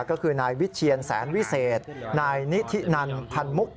ก็คือนายวิเชียนแสนวิเศษนายนิธินันพันมุก